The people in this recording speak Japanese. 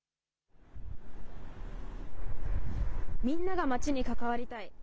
みんなが街に関わりたい。